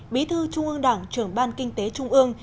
bí thư trung ương đảng trưởng ban kinh tế trung ương